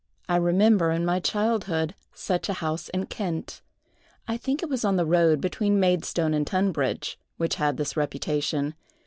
I remember, in my childhood, such a house in Kent—I think it was on the road between Maidstone and Tunbridge—which had this reputation.